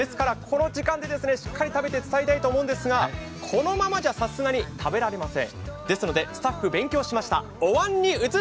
ですからこの時間でしっかり食べて伝えたいんですがこのままじゃさすがに食べられません。